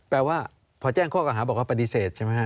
แปลว่าพอแจ้งข้อกล่าหาบอกว่าปฏิเสธใช่ไหมฮะ